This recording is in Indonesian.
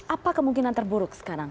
apa kemungkinan terburuk sekarang